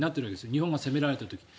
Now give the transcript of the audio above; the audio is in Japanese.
日本が攻められた時に。